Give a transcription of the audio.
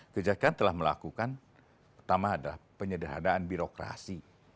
kejaksaan telah melakukan pertama adalah penyederhanaan birokrasi